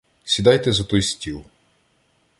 Сідайте за той стіл.